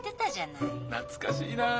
懐かしいなぁ。